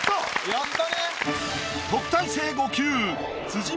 やったね。